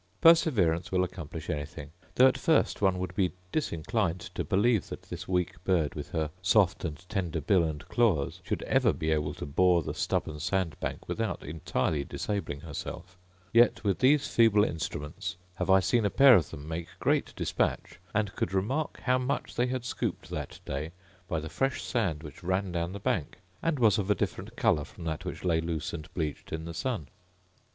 Perseverance will accomplish anything: though at first one would be disinclined to believe that this weak bird, with her soft and tender bill and claws, should ever be able to bore the stubborn sand bank without entirely disabling herself; yet with these feeble instruments have I seen a pair of them make great dispatch: and could remark how much they had scooped that day by the fresh sand which ran down the bank, and was of a different colour from that which lay loose and bleached in the sun.